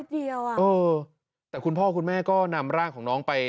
เดียวอ่ะเออแต่คุณพ่อคุณแม่ก็นำร่างของน้องไป